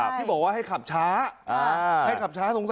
พี่บอกว่าให้ขับช้า